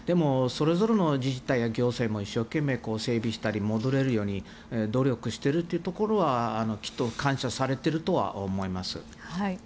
それぞれの自治体や行政も一生懸命、整備したり戻れるように努力していることはきっと感謝されているとは思います。